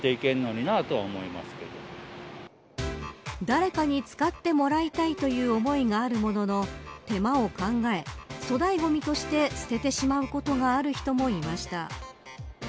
誰かに使ってもらいたいという思いがあるものの手間を考え粗大ごみとして捨てしまうことがある人もいました。